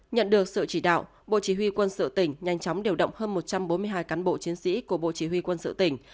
nhận được sự chỉ đạo bộ chỉ huy quân sự tỉnh nhanh chóng điều động hơn một trăm bốn mươi hai cán bộ chiến sĩ của bộ chỉ huy quân sự tỉnh